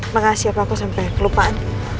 makasih apa aku sampai kelupaan